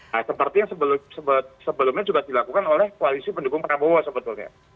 nah seperti yang sebelumnya juga dilakukan oleh koalisi pendukung prabowo sebetulnya